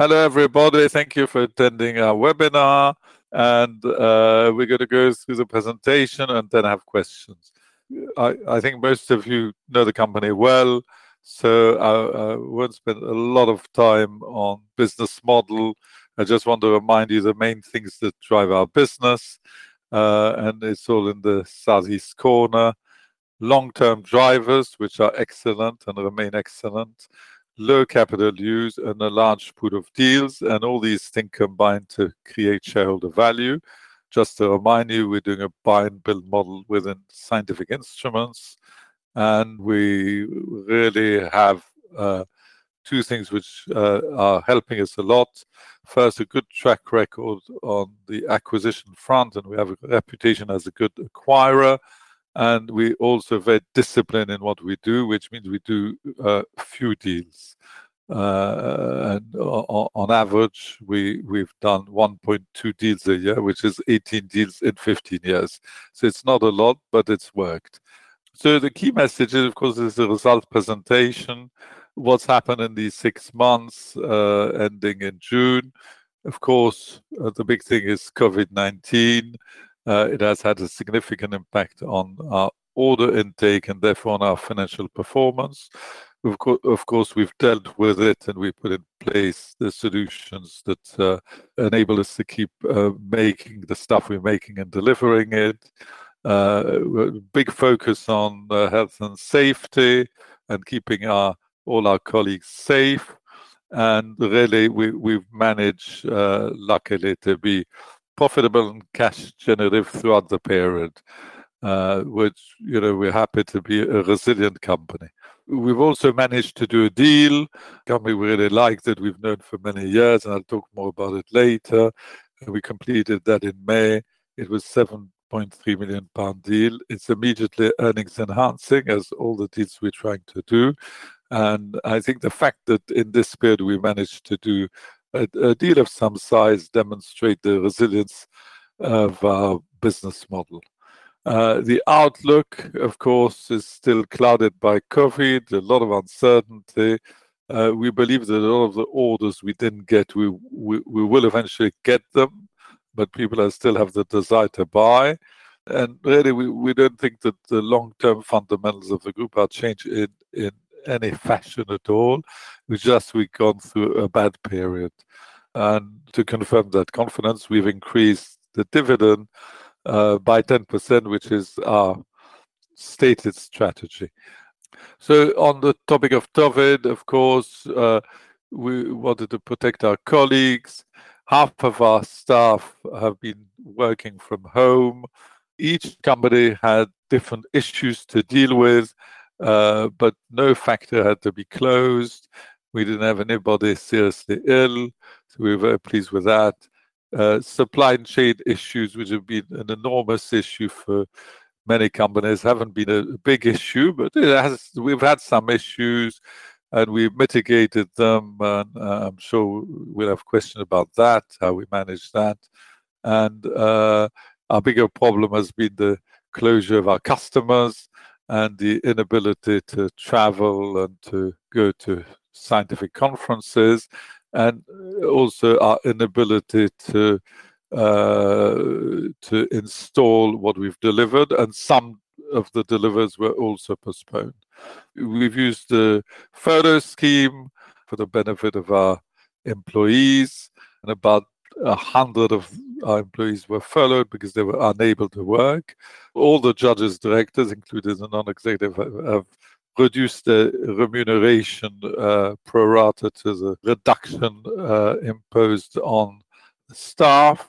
Hello everybody. Thank you for attending our webinar, and we're going to go through the presentation and then have questions. I think most of you know the company well, so we'd spend a lot of time on business model. I just want to remind you the main things that drive our business and it's all in the southeast corner. Long term drivers which are excellent and remain excellent, low capital use and a large pool of deals, and all these things combine to create shareholder value. Just to remind you, we're doing a buy and build model within scientific instruments and we really have two things which are helping us a lot. First, a good track record on the acquisition front, and we have a reputation as a good acquirer and we also very disciplined in what we do, which means we do few deals. And on average we've done 1.2 deals a year, which is 18 deals in 15 years. So it's not a lot, but it's worked. So the key message is of course the result presentation. What's happened in these six months ending in June. Of course the big thing is COVID-19. It has had a significant impact on our order intake and therefore on our financial performance. Of course we've dealt with it and we put in place the solutions that enable us to keep making the stuff we're making and delivering it. Big focus on health and safety and keeping all our colleagues safe, and really we've managed luckily to be profitable and cash generative throughout the period which, you know, we're happy to be a resilient company. We've also managed to do a deal, company we really like that we've known for many years and I'll talk more about it later; we completed that in May; it was a 7.3 million pound deal. It's immediately earnings enhancing as all the deals we're trying to do and I think the fact that in this period we managed to do a deal of some size demonstrate the resilience of our business model. The outlook of course is still clouded by COVID. A lot of uncertainty. We believe that all of the orders we didn't get, we will eventually get them, but people still have the desire to buy. Really we don't think that the long-term fundamentals of the group are changed in any fashion at all. Just we gone through a bad period and to confirm that confidence we've increased the dividend by 10% which is our stated strategy. On the topic of COVID of course we wanted to protect our colleagues. Half of our staff have been working from home. Each company had different issues to deal with but no factory had to be closed. We didn't have anybody seriously ill so we were very pleased with that. Supply chain issues which have been an enormous issue for many companies haven't been a big issue but we've had some issues and we've mitigated them and I'm sure we'll have questions about that, how we manage that. Our bigger problem has been the closure of our customers and the inability to travel and to go to scientific conferences and also our inability to install what we've delivered and some of the deliveries were also postponed. We've used the furlough scheme for the benefit of our employees and about 100 of our employees were furloughed because they were unable to work. All the Judges Directors including as a non-executive have reduced the remuneration pro rata to the reduction imposed on staff.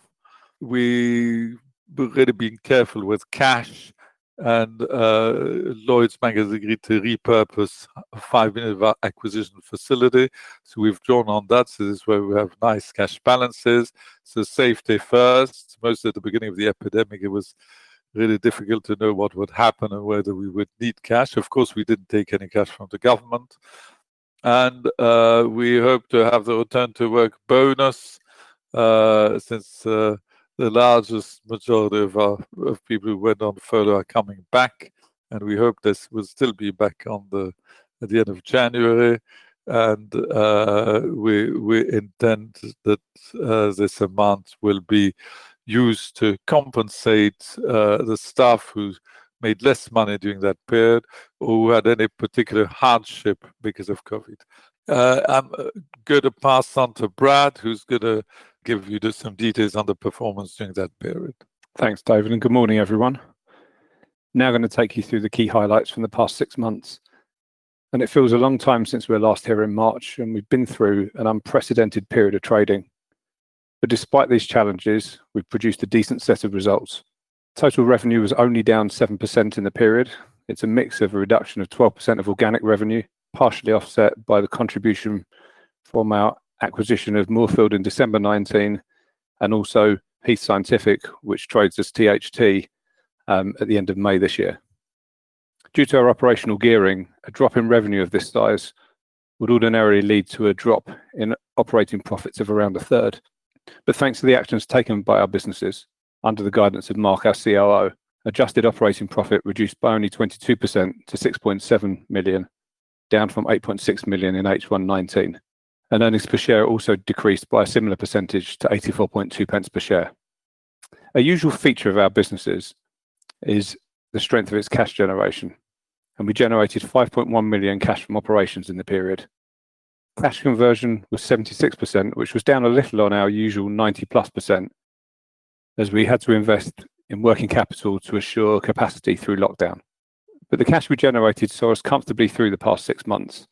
We're really being careful with cash and Lloyds Bank has agreed to repurpose five million acquisition facility. So we've drawn on that. So this is where we have nice cash balances. So safety first mostly. At the beginning of the pandemic it was really difficult to know what would happen and whether we would need cash. Of course we didn't take any cash from the government and we hope to have the return to work bonus since the largest majority of people who went on furlough are coming back and we hope this will still be back on at the end of January and we intend that this amount will be used to compensate the staff who made less money during that period or who had any particular hardship because of COVID. I'm going to pass on to Brad who's going to give you some details on the performance during that period. Thanks David and good morning everyone. Now I'm going to take you through the key highlights from the past six months and it feels a long time since we were last here in March and we've been through an unprecedented period of trading. But despite these challenges we've produced a decent set of results. Total revenue was only down 7% in the period. It's a mix of a reduction of 12% of organic revenue, partially offset by the contribution from our acquisition of Moorfield in December 2019. And also Heath Scientific which trades as THT at the end of May this year due to our operational gearing. A drop in revenue of this size would ordinarily lead to a drop in operating profits of around a third. But thanks to the actions taken by our businesses under the guidance of Mark, our COO adjusted operating profit reduced by only 22%. To 6.7 million, down from 8.6 million in H1 2019. And earnings per share also decreased by a similar percentage to 0.842 per share. A usual feature of our businesses is the strength of its cash generation and we generated 5.1 million cash from operations in the period. Cash conversion was 76% which was down a little on our usual 90+% as we had to invest in working capital to assure capacity through lockdown. But the cash we generated saw us comfortably through the past six months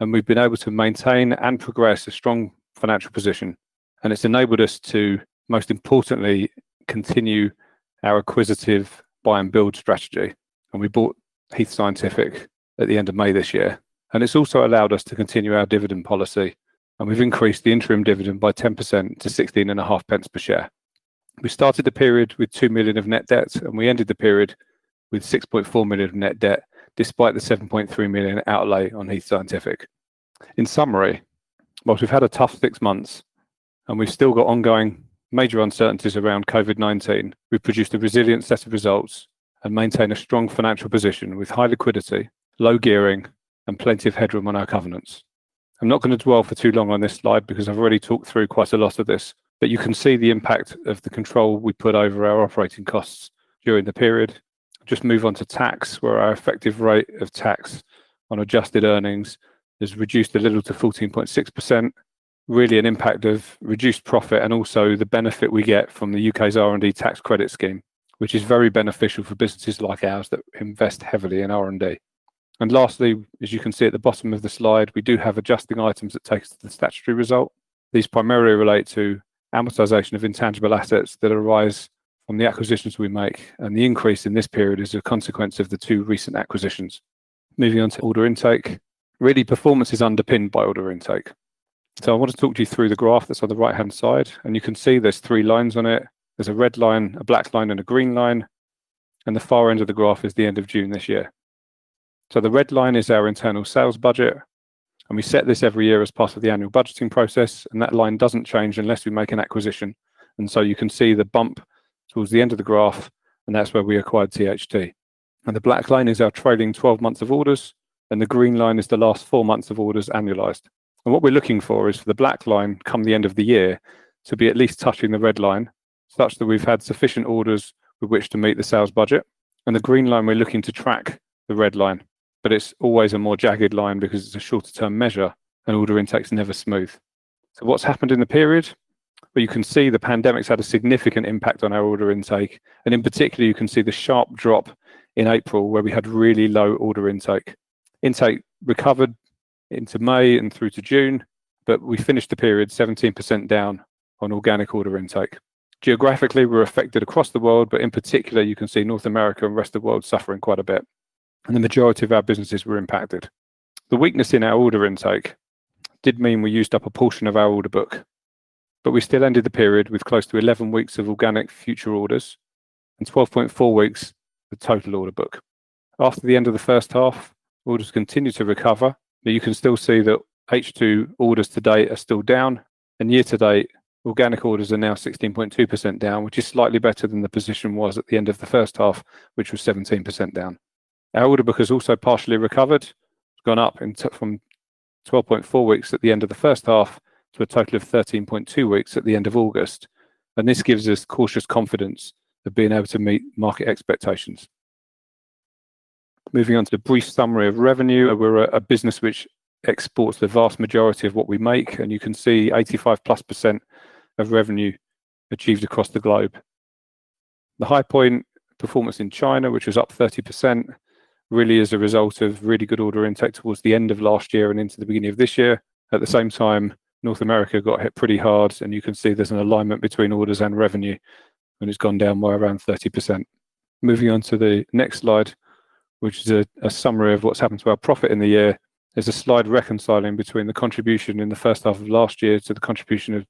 and we've been able to maintain and progress a strong financial position. And it's enabled us to, most importantly, continue to our acquisitive buy and build strategy. And we bought Heath Scientific at the end of May this year and it's also allowed us to continue our dividend policy. And we've increased the interim dividend by 10% to 0.165 per share. We started the period with 2 million of net debt and we ended the period with 6.4 million of net debt, despite the 7.3 million outlay on Heath Scientific. In summary, whilst we've had a tough six months and we've still got ongoing major uncertainties around COVID-19, we've produced a resilient set of results and maintain a strong financial position with high liquidity, low gearing and plenty of headroom on our covenants. I'm not going to dwell for too long on this slide because I've already talked through quite a lot of this, but you can see the impact of the control we put over our operating costs during the period. Just move on to tax, where our effective rate of tax on adjusted earnings has reduced a little to 14.6%. Really, an impact of reduced profit, and also the benefit we get from the U.K.'s R&D tax credit scheme, which is very beneficial for businesses like ours that invest heavily in R&D. And lastly, as you can see at the bottom of the slide, we do have adjusting items that take us to the statutory result. These primarily relate to amortization of intangible assets that arise from the acquisitions we make, and the increase in this period is a consequence of the two recent acquisitions. Moving on to order intake. Really, performance is underpinned by order intake, so I want to talk to you through the graph that's on the right hand side and you can see there's three lines on it. There's a red line, a black line and a green line, and the far end of the graph is the end of June this year. So the red line is our internal sales budget. And we set this every year as part of the annual budgeting process. And that line doesn't change unless we make an acquisition. And so you can see the bump towards the end of the graph and that's where we acquired THT. And the black line is our trailing 12 months of orders and the green line is the last four months of orders annualized. And what we're looking for is for the black line come the end of the year to be at least touching the red line, such that we've had sufficient orders with which to meet the sales budget and the green line. We're looking to track the red line, but it's always a more jagged line because it's a shorter term measure. And order intake is never smooth. So what's happened in the period? But you can see the pandemic had a significant impact on our order intake. And in particular you can see the sharp drop in April where we had really low order intake. Intake recovered into May and through to June, but we finished the period 17% down on organic order intake. Geographically we're affected across the world, but in particular you can see North America and Rest of World suffering quite a bit. And the majority of our businesses were impacted. The weakness in our order intake did mean we used up a portion of our order book, but we still ended the period with close to 11 weeks of organic future orders and 12.4 weeks the total order book. After the end of the first half, orders continue to recover, but you can still see that H2 orders to date are still down and year to date, organic orders are now 16.2% down, which is slightly better than the position was at the end of the first half which was 17% down. Our order book has also partially recovered. It's gone up from 12.4 weeks at the end of the first half to a total of 13.2 weeks at the end of August, and this gives us cautious confidence of being able to meet market expectations. Moving on to the brief summary of revenue. We're a business which exports the vast majority of what we make and you can see 85+% of revenue achieved across the globe. The high point performance in China, which was up 30% really as a result of really good order intake towards the end of last year and into the beginning of this year. At the same time, North America got hit pretty hard and you can see there's an alignment between orders and revenue and it's gone down by around 30%. Moving on to the next slide which is a summary of what's happened to our profit in the year. There's a slide reconciling between the contribution in the first half of last year to the contribution of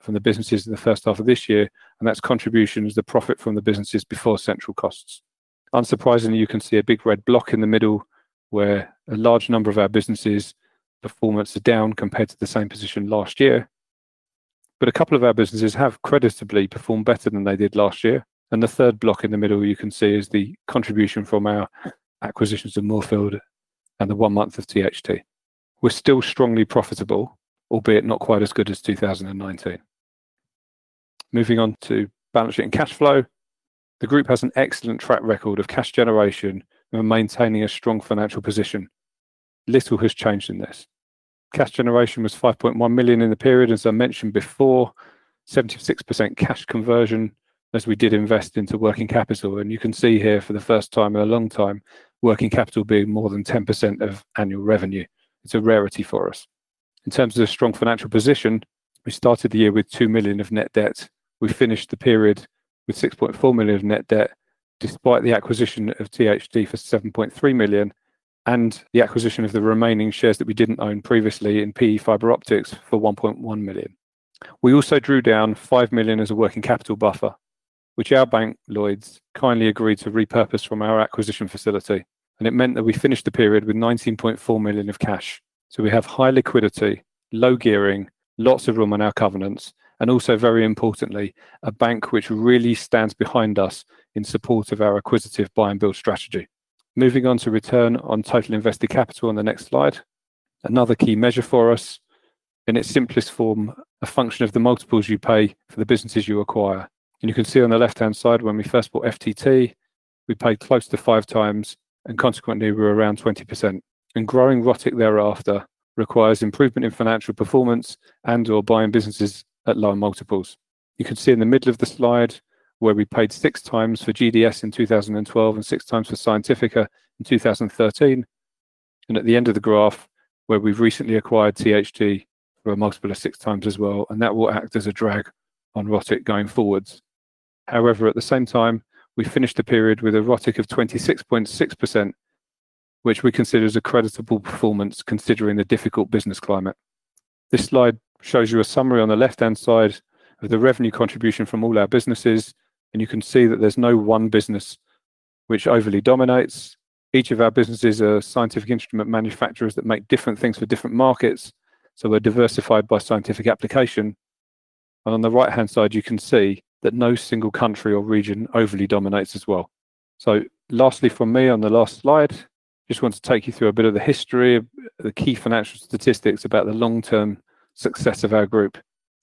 from the businesses in the first half of this year. The contribution to the profit from the businesses before central costs. Unsurprisingly, you can see a big red block in the middle where a large number of our businesses’ performance are down compared to the same position last year. But a couple of our businesses have creditably performed better than they did last year. The third block in the middle you can see is the contribution from our acquisitions of Moorfield and the one month of THT, were still strongly profitable, albeit not quite as good as 2019. Moving on to balance sheet and cash flow, the group has an excellent track record of cash generation and maintaining a strong financial position. Little has changed in this. Cash generation was 5.1 million in the period, as I mentioned before, 76% cash conversion. As we did invest into working capital and you can see here for the first time in a long time, working capital being more than 10% of annual revenue. It's a rarity for us in terms of a strong financial position. We started the year with 2 million of net debt. We finished the period with 6.4 million of net debt despite the acquisition of THT for 7.3 million and the acquisition of the remaining shares that we didn't own previously in PE Fiberoptics for 1.1 million. We also drew down 5 million as a working capital buffer which our bank Lloyds kindly agreed to repurpose from our acquisition facility. And it meant that we finished the period with 19.4 million of cash. We have high liquidity, low gearing, lots of room on our covenants and also very importantly a bank which really stands behind us in support of our acquisitive buy and build strategy. Moving on to return on total invested capital on the next slide. Another key measure for us, in its simplest form a function of the multiples you pay for the businesses you acquire. You can see on the left hand side, when we first bought FTT we paid close to five times and consequently we were around 20% and growing ROTIC thereafter requires improvement in financial performance and or buying businesses at lower multiples. You can see in the middle of the slide where we paid six times for GDS in 2012 and six times for Scientifica in 2013. At the end of the graph where we've recently acquired THT, a multiple of six times as well. That will act as a drag on ROTIC going forwards. However, at the same time we finished the period with a ROTIC of 26.6% which we consider as a creditable performance considering the difficult business climate. This slide shows you a summary on the left-hand side of the revenue contribution from all our businesses and you can see that there's no one business which overly dominates. Each of our businesses are scientific instrument manufacturers that make different things for different markets. So we're diversified by scientific application. On the right-hand side you can see that no single country or region overly dominates as well. Lastly from me on the last slide, just want to take you through a bit of the history of the key financial statistics about the long term success of our group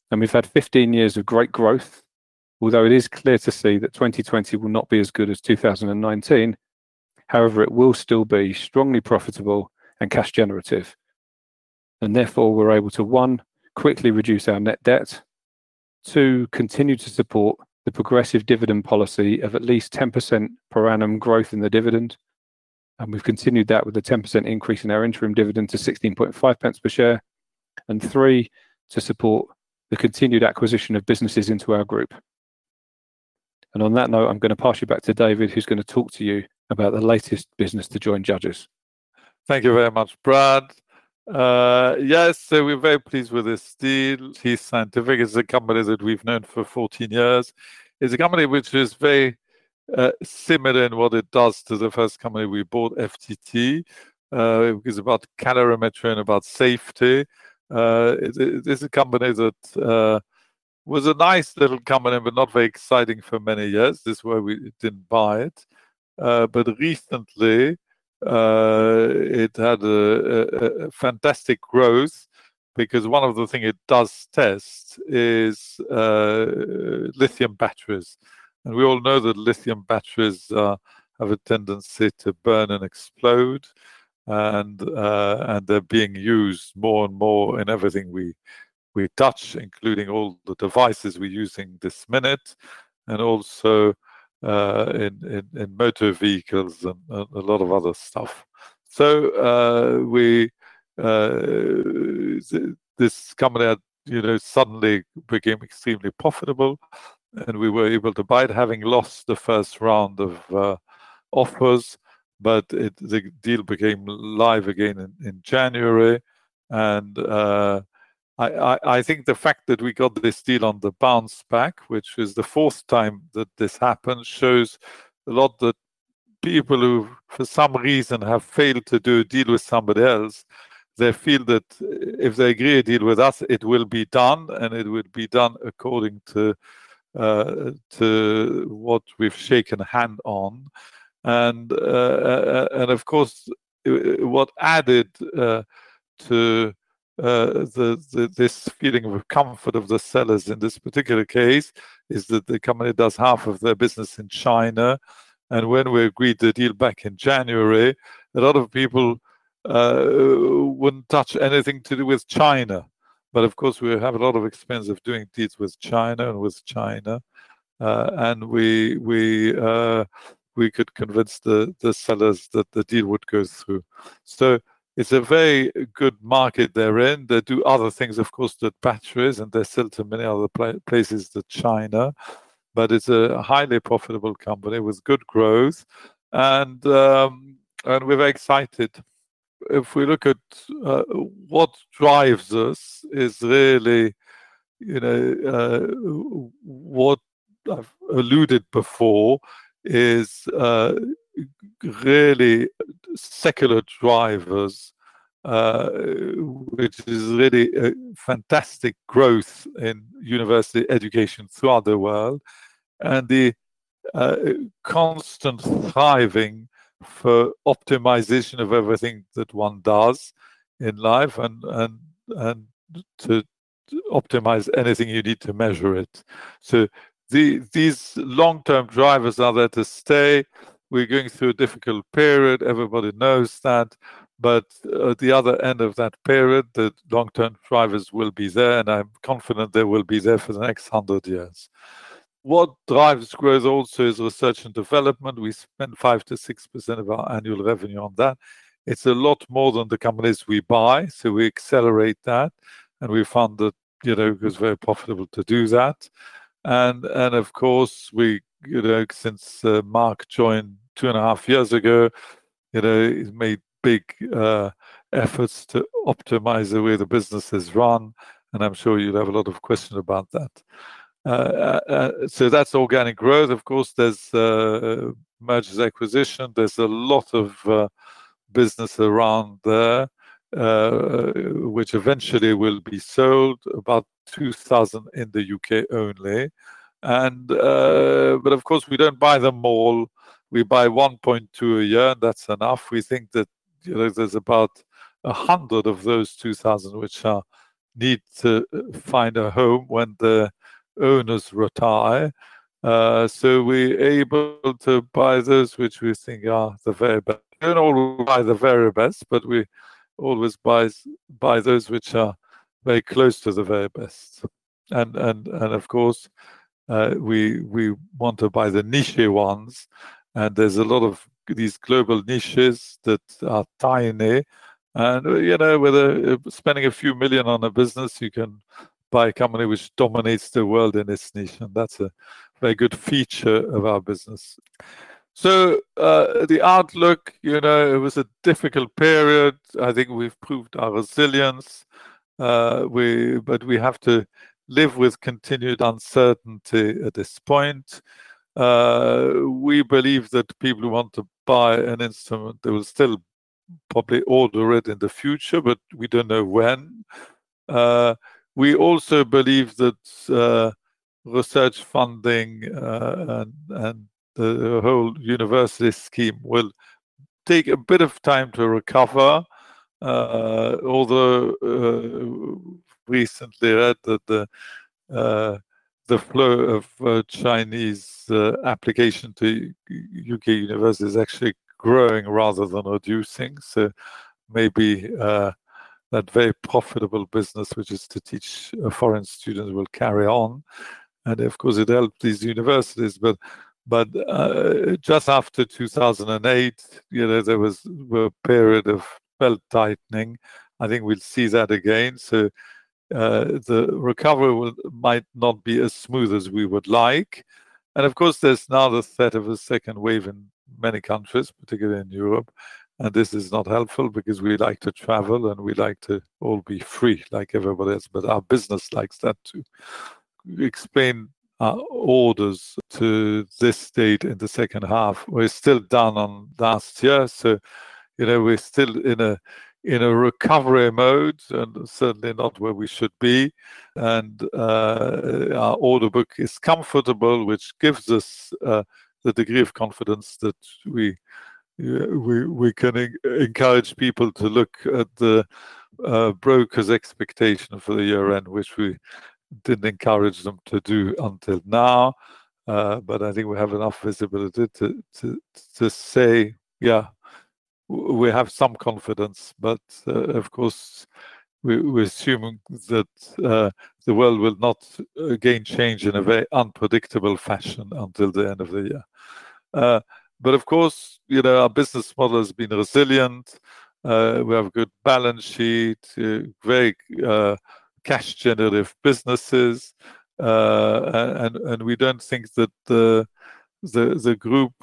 and we've had 15 years of great growth. Although it is clear to see that 2020 will not be as good as 2019. However it will still be strongly profitable and cash generative and therefore we're able to one, quickly reduce our net debt, two, continue to support the progressive dividend policy of at least 10% per annum growth in the dividend and we've continued that with a 10% increase in our interim dividend to 0.165 per share and, three, to support the continued acquisition of businesses into our group. On that note, I'm going to pass you back to David, who's going to talk to you about the latest business to join Judges. Thank you very much, Brad. Yes, so we're very pleased with this deal. Heath Scientific. It's a company that we've known for 14 years. It's a company which is very similar in what it does to the first company we bought. FTT is about calorimetry and about safety. This is a company that was a nice little company but not very exciting for many years this way we didn't buy but recently. It had a fantastic growth because one of the thing it does test is. Lithium batteries, and we all know that lithium batteries have a tendency to burn and explode, and they're being used more and more in everything we touch, including all the devices we're using this minute and also in motor vehicles and a lot of other stuff. So, this company had suddenly became extremely profitable and we were able to buy, having lost the first round of offers. But the deal became live again in January and I think the fact that we got this deal on the bounce back, which is the fourth time that this happens, shows a lot that people who for some reason have failed to do a deal with somebody else they feel that if they agree a deal with us, it will be done and it would be done according to what we've shaken hands on. Of course, what added to this feeling of comfort of the sellers in this particular case is that the company does half of their business in China. And when we agreed the deal back in January, a lot of people wouldn't touch anything to do with China. But of course we have a lot of experience of doing deals with China. We could convince the sellers that the deal would go through. So it's a very good market they're in. They do other things, of course, the batteries and they sell to many other places, China. But it's a highly profitable company with good growth and we're very excited if we look at what drives us is really, you know, what I've alluded to before is really secular drivers, which is really fantastic growth in university education throughout the world and the constant thriving for optimization of everything that one does in life and to optimize anything you need to measure it. So these long term drivers are there to stay. We're going through a difficult period, everybody knows that. But at the other end of that period, the long term drivers will be there and I'm confident they will be there for the next hundred years. What drives growth also is research and development. We spend 5%-6% of our annual revenue on that. It's a lot more than the companies we buy. So we accelerate that and we found that, you know, it was very profitable to do that. Of course we, since Mark joined two and a half years ago, you know, made big efforts to optimize the way the business is run and I'm sure you'd have a lot of question about that. So that's organic growth. Of course there's mergers and acquisitions. There's a lot of business around there. Which eventually will be sold, about 2,000 in the U.K. only, and but of course we don't buy them all. We buy 1.2 a year and that's enough. We think that there's about a hundred of those 2,000 which need to find a home when the owners retire. So we able to buy those which we think are the very best, don't all buy the very best, but we always buy those which are very close to the very best. And of course we want to buy the niche ones. And there's a lot of these global niches that are tiny and you know, whether spending a few million on a business, you can buy a company which dominates the world in this niche and that's a very good feature of our business. So the outlook, you know, it was a difficult period. I think we've proved our resilience. But we have to live with continued uncertainty at this point. We believe that people who want to buy an instrument, they will still probably order it in the future, but we don't know when we also believe that research funding and the whole university scheme will take a bit of time to recover. Although, I recently read that the flow of Chinese applications to U.K. universities is actually growing rather than reducing. So maybe that very profitable business which is to teach foreign students will carry on and of course it helped these universities. But just after 2008 there was a period of belt tightening. I think we'll see that again. So the recovery might not be as smooth as we would like. And of course there's now the threat of a second wave in many countries, particularly in Europe. And this is not helpful because we like to travel and we like to all be free like everybody else. But our business likes that too. Order intake to date in the second half. We're still down on last year so you know, we're still in a recovery mode and certainly not where we should be our order book is comfortable, which gives us the degree of confidence that we can encourage people to look at the brokers' expectation for the year-end, which we didn't encourage them to do until now. But I think we have enough visibility to say yeah, we have some confidence. But of course we assume that the world will not change in a very unpredictable fashion until the end of the year. But of course, you know, our business model has been resilient. We have good balance sheet, very cash generative businesses. We don't think that the group.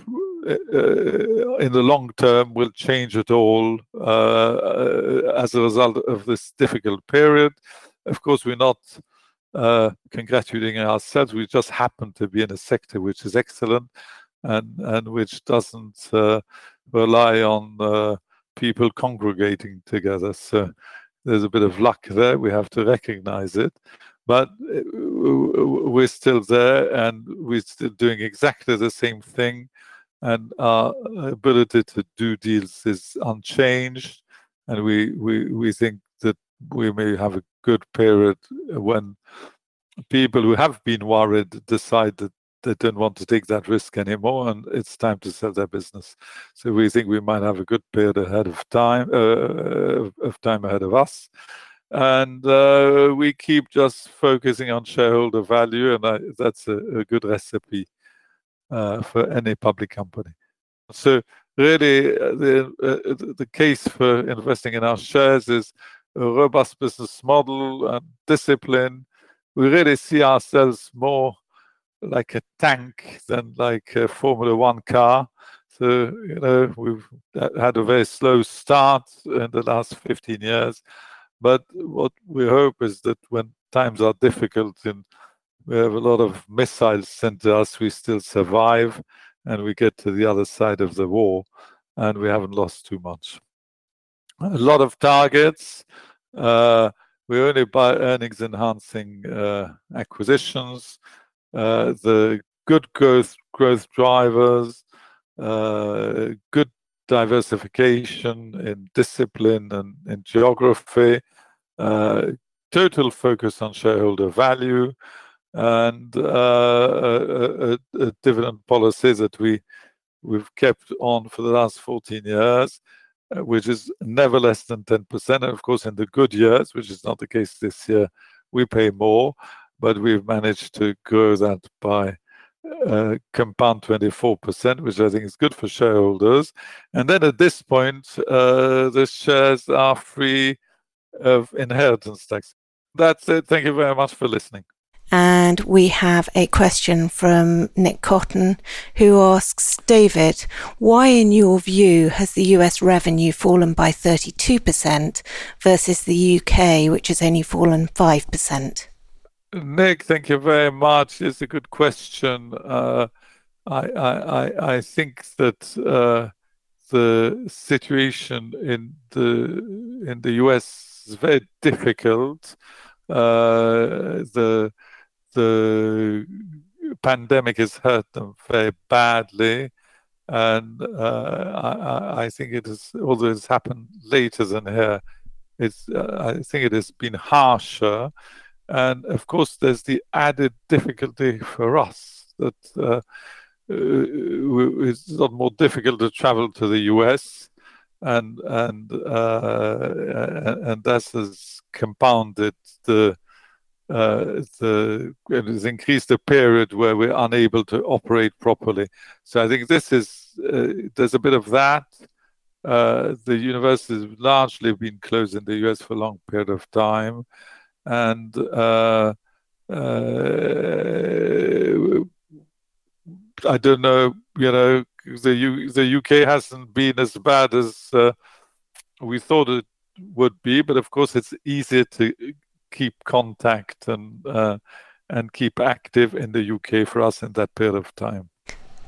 In the long term will change at all. As a result of this difficult period. Of course we're not congratulating ourselves, we just happen to be in a sector which is excellent and which doesn't rely on people congregating together. So there's a bit of luck there, we have to recognize it. But we're still there and we're still doing exactly the same thing and our ability to do deals is unchanged and we think that we may have a good period when people who have been worried decide that they don't want to take that risk anymore and it's time to sell their business. So we think we might have a good period ahead of us and we keep just focusing on shareholder value and that's a good recipe for any public company. So, really, the case for investing in our shares is a robust business model and discipline. We really see ourselves more like a tank than like a Formula One car. So, you know, we've had a very slow start in the last 15 years, but what we hope is that when times are difficult and we have a lot of missiles sent to us, we still survive and we get to the other side of the war and we haven't lost too much. A lot of targets. We only buy earnings-enhancing acquisitions, the good growth drivers. Good diversification in discipline and geography, total focus on shareholder value and dividend policies that we've kept on for the last 14 years, which is never less than 10%. Of course, in the good years, which is not the case this year, we pay more, but we've managed to grow that by compound 24%, which I think is good for shareholders. And then at this point, the shares are free of inheritance tax. That's it. Thank you very much for listening. We have a question from Nick Cotton, who asks, David, why, in your view, has the U.S. revenue fallen by 32% versus the U.K., which has only fallen 5%? Nick, thank you very much. It's a good question. I think that the situation in the U.S. is very difficult. The pandemic has hurt them very badly, and I think it is. Although it's happened later than here, I think it has been harsher, and of course, there's the added difficulty for us that. It's a lot more difficult to travel to the U.S. And that has compounded the, Great. It has increased a period where we're unable to operate properly. So I think this is. There's a bit of that. The universities largely been closed in the U.S. for a long period of time, and I don't know, you know. The U.K. hasn't been as bad as we thought it would be, but of course, it's easier to keep contact and keep active in the U.K. for us in that period of time.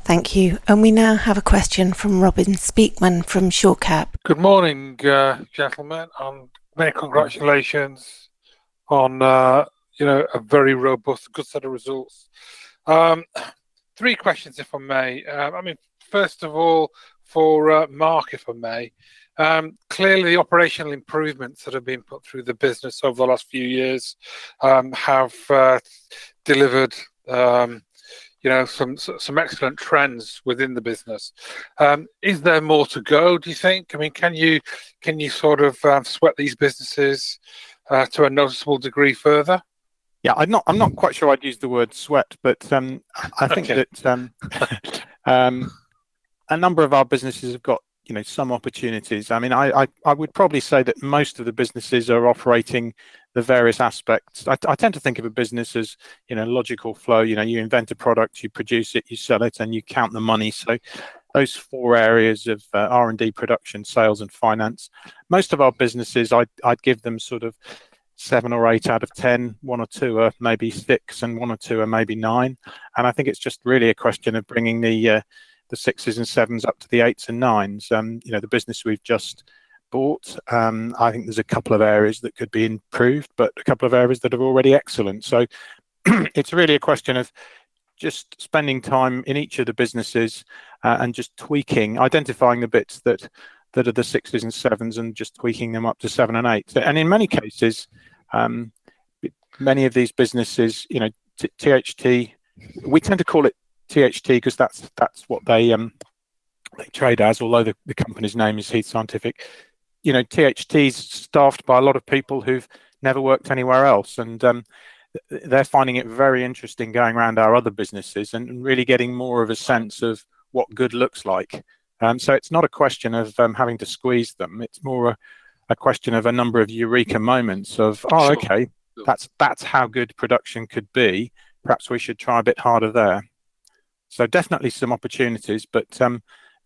Thank you, and we now have a question from Robin Speakman from Shore Capital. Good morning, gentlemen, and many congratulations on, you know, a very robust, good set of results. Three questions, if I may. I mean, first of all, for Mark, if I may. Clearly the operational improvements that have been put through the business over the last few years have delivered, you know, some excellent trends within the business. Is there more to go, do you think? I mean, can you sort of sweat these businesses to a noticeable degree further? Yeah, I'm not. I'm not quite sure I'd use the word sweat. But I think that a number of our businesses have got some opportunities. I mean, I would probably say that most of the businesses are operating the various aspects. I tend to think of a business as logical flow. You invent a product, you produce it, you sell it, and you count the money. So those four areas of R&D, production, sales, and finance, most of our businesses, I'd give them sort of seven or eight out of ten. One or two are maybe six and one or two are maybe nine. And I think it's just really a question of bringing the sixes and sevens up to the eights and nines. The business we've just bought. I think there's a couple of areas that could be improved, but a couple of areas that are already excellent. It's really a question of just spending time in each of the businesses and just tweaking, identifying the bits that are the sixes and sevens and just tweaking them up to seven and eight. And in many cases. Many of these businesses, THT. We tend to call it THT because that's what they trade as. Although the company's name is Heath Scientific, you know, THT's staffed by a lot of people who've never worked anywhere else. And they're finding it very interesting going around our other businesses and really getting more of a sense of what good looks like. So it's not a question of having to squeeze them. It's more a question of a number of eureka moments of, oh, okay, that's. That's how good production could be. Perhaps we should try a bit harder there. So definitely some opportunities, but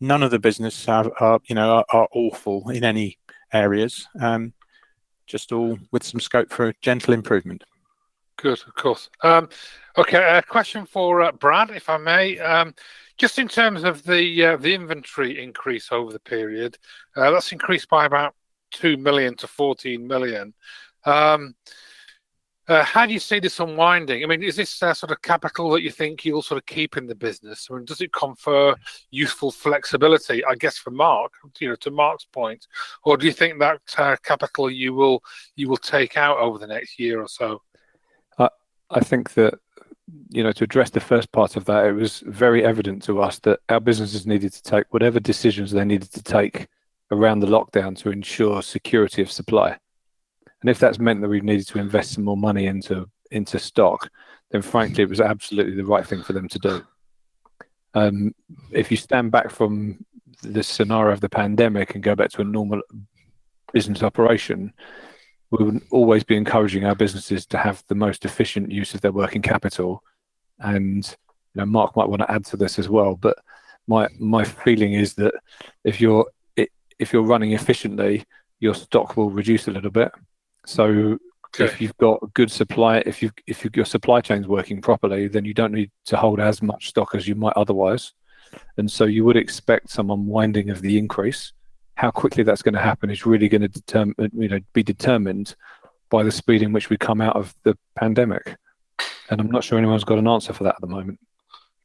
none of the business have, you know, are awful in any areas. Just all with some scope for a gentle improvement. Good. Of course. Okay. A question for Brad, if I may. Just in terms of the inventory increase over the period, that's increased by about 2 million-14 million. How do you see this unwinding? I mean, is this sort of capital that you think you'll sort of keep in the business? Does it confer useful flexibility, I guess, for Mark, you know, to Mark's point, or do you think that capital you will take out over the next year or so? I think that, you know, to address the first part of that, it was very evident to us that our businesses needed to take whatever decisions they needed to take around the lockdown to ensure security of supply. And if that's meant that we've needed to invest some more money into stock, then frankly, it was absolutely the right thing for them to do. If you stand back from the scenario of the pandemic and go back to a normal business operation, we would always be encouraging our businesses to have the most efficient use of their working capital. And Mark might want to add to this as well. But my feeling is that if you're running efficiently, your stock will reduce a little bit. So if you've got good supply, if your supply chain is working properly, then you don't need to hold as much stock as you might otherwise. And so you would expect some unwinding of the increase. How quickly that's going to happen is really going to determine, you know, be determined by the speed in which we come out of the pandemic. And I'm not sure anyone's got an answer for that at the moment.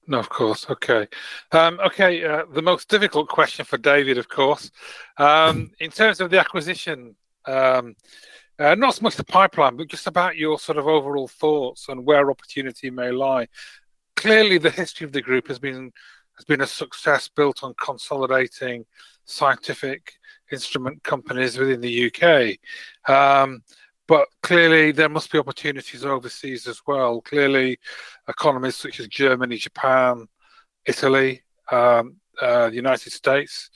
No, of course. Okay. Okay. The most difficult question for David, of course, in terms of the acquisition. Not so much the pipeline, but just about your sort of overall thoughts on where opportunity may lie. Clearly, the history of the group has been a success built on consolidating scientific instrument companies within the U.K. But clearly there must be opportunities overseas as well. Clearly, economies such as Germany, Japan, Italy, the United States.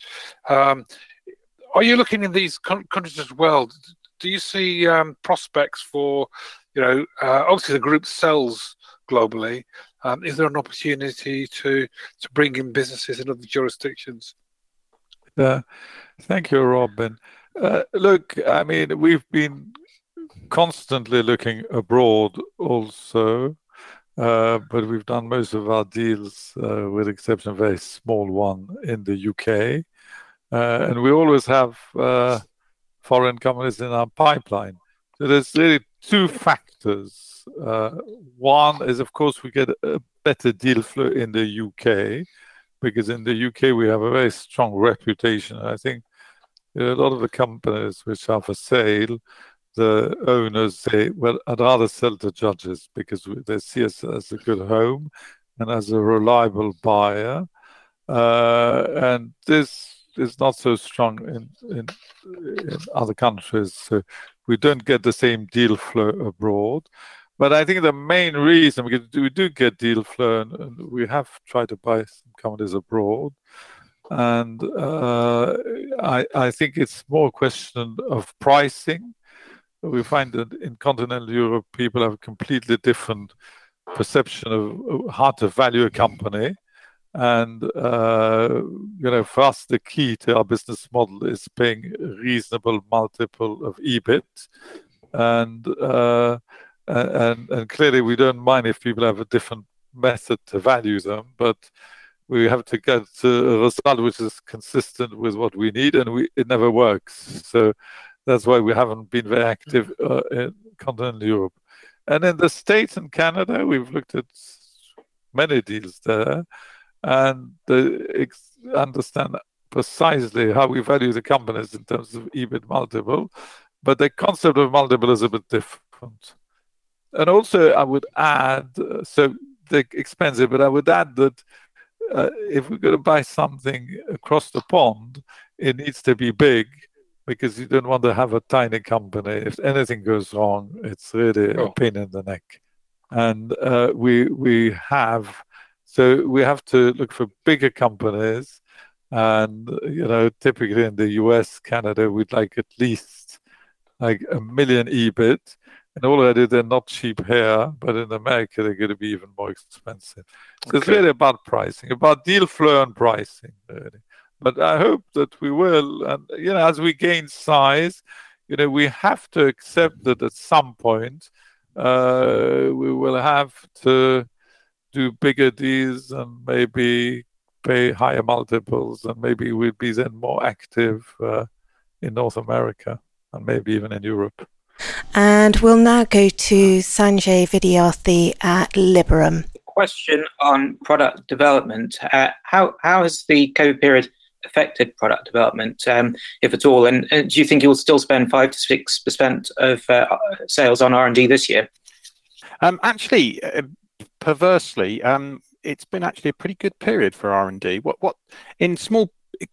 Are you looking in these countries as well? Do you see prospects for, you know, obviously the group sells globally? Is there an opportunity to bring in businesses in other jurisdictions? Thank you, Rob. Look, I mean, we've been constantly looking abroad also, but we've done most of our deals, with exception, very small one in the U.K., and we always have foreign companies in our pipeline. So there's really two factors. One is, of course, we get a better deal flow in the U.K., because in the U.K. we have a very strong reputation. I think a lot of the companies which are for sale, the owners say, well, I'd rather sell to Judges, because they see us as a good home and as a reliable buyer. And this is not so strong in other countries. We don't get the same deal flow abroad. But I think the main reason we do get deal flow and we have tried to buy some companies abroad. I think it's more a question of pricing. We find that in continental Europe, people have a completely different perception of how to value a company. And, you know, for us, the key to our business model is paying a reasonable multiple of EBIT. Clearly we don't mind if people have a different method to value them, but we have to get a result which is consistent with what we need, and it never works, so that's why we haven't been very active in Continental Europe and in the States in Canada. We've looked at many deals there and understand precisely how we value the companies in terms of EBIT multiple, but the concept of multiple is a bit different, and also I would add so they're expensive, but I would add that if we're going to buy something across the pond it needs to be big because you don't want to have a tiny company. If anything goes wrong, it's really a pain in the neck, and we have so we have to look for bigger companies. And you know, typically in the U.S., Canada we'd like at least like 1 million EBIT and already they're not cheap here but in America they're going to be even more expensive. So it's really about pricing, about deal flow and pricing. But I hope that we will and you know, as we gain size, you know, we have to accept that at some point we will have to do bigger deals and maybe pay higher multiples and maybe we'll be then more active in North America and maybe even in Europe. We'll now go to Sanjay Vidyarthi at Liberum. Question on product development. How has the COVID period affected product development, if at all? And do you think you'll still spend 5%-6% of sales on R&D this year? Actually, perversely, it's been actually a pretty good period for R&D.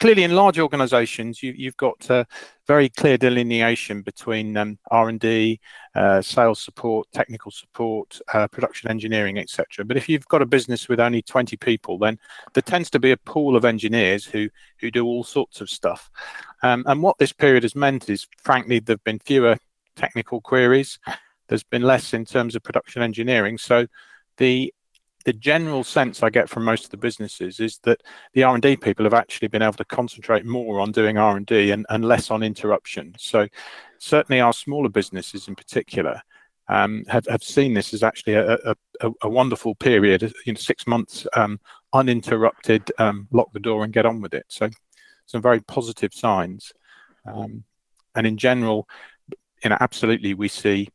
Clearly in large organizations you've got very clear delineation between R&D, sales support, technical support, production engineering, et cetera. But if you've got a business with only 20 people and there tends to be a pool of engineers who do all sorts of stuff. And what this period has meant is frankly there have been fewer technical queries, there's been less in terms of production engineering. So the general sense I get from most of the businesses is that the R&D people have actually been able to concentrate more on doing R&D and less on interruption. So certainly our smaller businesses in particular have seen this as actually a wonderful period in six months, uninterrupted, lock the door and get on with it. So some very positive signs and in general, absolutely, we see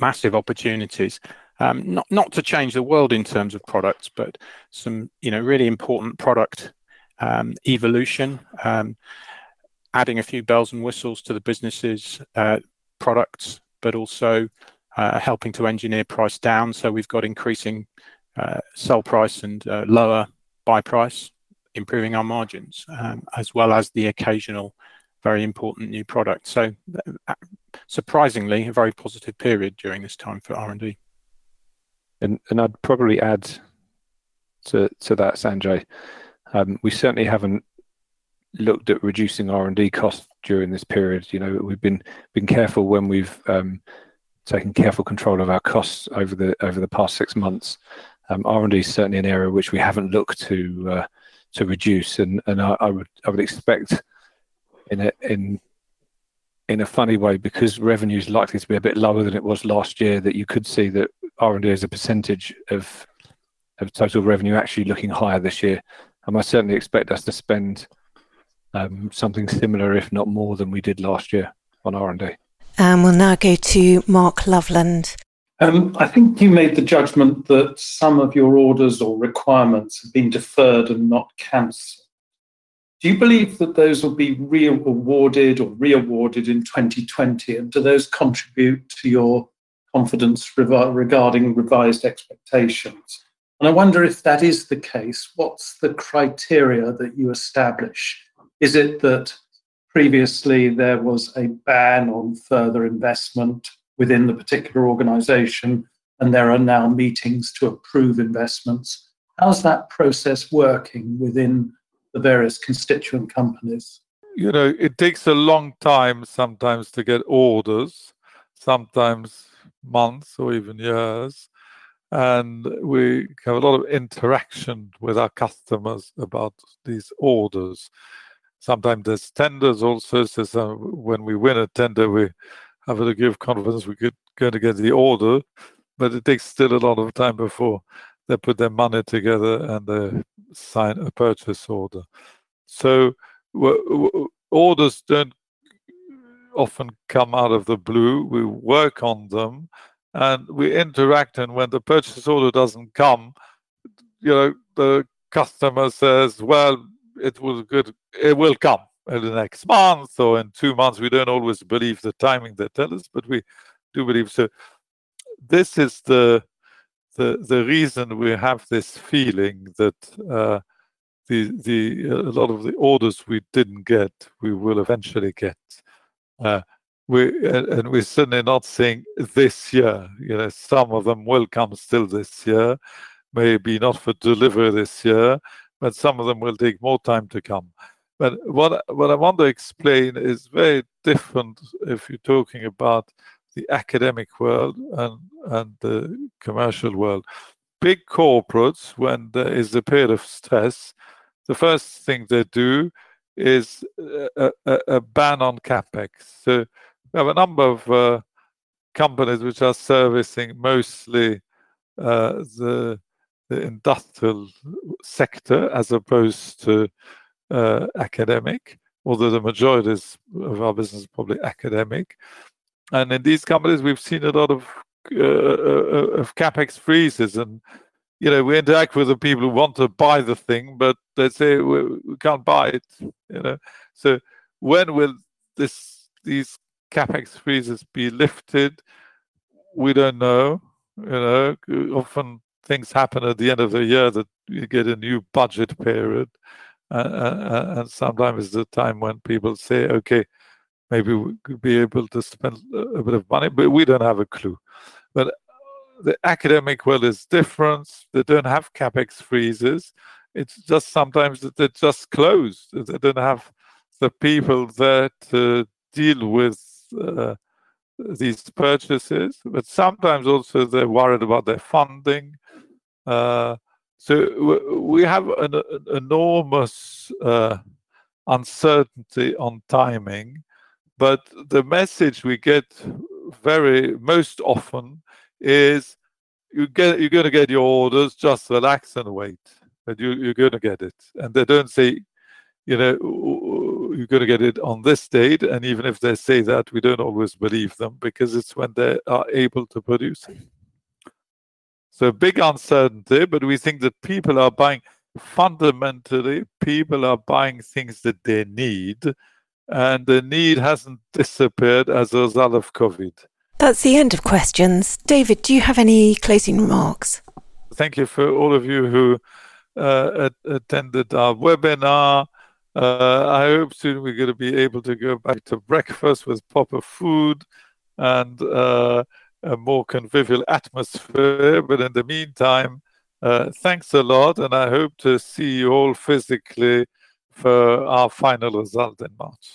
massive opportunities not to change the world in terms of products, but some really important product evolution, adding a few bells and whistles to the businesses' products but also helping to engineer price down. So we've got increasing sell price and lower buy price, improving our margins as well as the occasional very important new product. So surprisingly a very positive period during this time for R&D. I'd probably add to that, Sanjay, we certainly haven't looked at reducing R&D costs during this period. You know, we've been careful when we've taken careful control of our costs over the past six months. R&D is certainly an area which we haven't looked to reduce. And I would expect in a funny way, because revenue is likely to be a bit lower than it was last year, that you could see that R&D is a percentage of total revenue actually looking higher this year. I certainly expect us to spend something similar, if not more than we did last year on R&D. We'll now go to Mark Loveland. I think you made the judgment that some of your orders or requirements have been deferred and not cancelled. Do you believe that those will be awarded or re-awarded in 2020 and do those contribute to your confidence regarding revised expectations? And I wonder if that is the case. What's the criteria that you establish? Is it that previously there was a ban on further investment within the particular organization and there are now meetings to approve investments? How's that process working within the various constituent companies? You know, it takes a long time sometimes to get orders, sometimes months or even years, and we have a lot of interaction with our customers about these orders. Sometimes there's tenders also. So when we win a tender, we have a degree of confidence we could go to get the order, but it takes still a lot of time before they put their money together and they sign a purchase order. Orders then often come out of the blue. We work on them and we interact. When the purchase order doesn't come, you know, the customer says, well, it was good, it will come in the next month or in two months. We don't always believe the timing they tell us, but we do believe. This is the reason we have this feeling that. lot of the orders we didn't get we will eventually get. We're certainly not seeing this year. Some of them will come still this year. Maybe not for delivery this year, but some of them will take more time to come. But what I want to explain is very different. If you're talking about the academic world and the commercial world, big corporates, when there is a period of stress, the first thing they do is a ban on CapEx. So we have a number of companies which are servicing mostly the industrial sector as opposed to academic, although the majority of our business is probably academic. And in these companies we've seen a lot of CapEx freezes and you know, we interact with the people who want to buy the thing, but they say we can't buy it. You know, so when will this, these CapEx freezes be lifted? We don't know. You know, often things happen at the end of the year that you get a new budget period. And sometimes it's the time when people say, okay, maybe we could be able to spend a bit of money, but we don't have a clue. But the academic world is different. They don't have CapEx freezes. It's just sometimes that they're just closed. They don't have the people that deal with these purchases, but sometimes also they're worried about their funding. We have an enormous uncertainty on timing. But the message we get very most often is you get, you're going to get your orders, just relax and wait. You're going to get it. And they don't say, you know, you're going to get it on this date. And even if they say that, we don't always believe them because it's when they are able to produce. So big uncertainty. But we think that people are buying, fundamentally people are buying things that they need and the need hasn't disappeared as a result of COVID. That's the end of questions. David, do you have any closing remarks? Thank you for all of you who attended our webinar. I hope soon we're going to be able to go back to breakfast with proper food and a more convivial atmosphere, but in the meantime, thanks a lot and I hope to see you all physically for our final result in March.